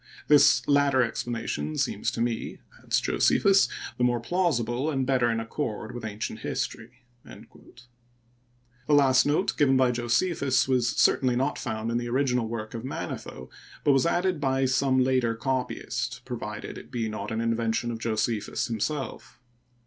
This latter explanation seems to me,'* adds Josephus, " the more plausible and better in accord with ancient history." The last note given by Josephus was certainly not found in the original work of Manetho, but was added by some later copyist, provided it be not an invention of Josephus himself.